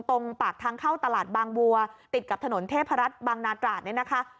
ตรงปากทางเข้าตลาดบางวัวติดกับถนนเทพรัฐบางนาตราดเนี่ยนะคะ